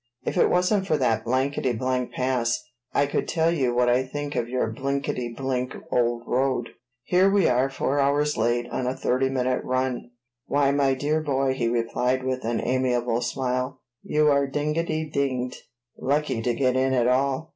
If it wasn't for that blankety blank pass, I could tell you what I think of your blinkety blink old road. Here we are four hours late on a thirty minute run!" "Why, my dear boy," he replied with an amiable smile, "you are dingety dinged lucky to get in at all!"